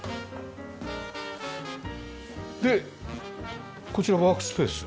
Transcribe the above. でこちらワークスペース？